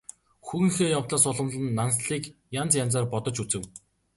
Хүүгийнхээ явдлаас уламлан Нансалыг янз янзаар бодож үзэв.